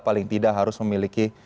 paling tidak harus memiliki